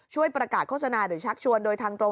ช่วยประกาศโฆษณาหรือชักชวนโดยทางตรง